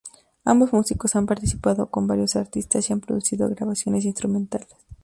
Ambos músicos han participado con varios artistas y han producido grabaciones instrumentales.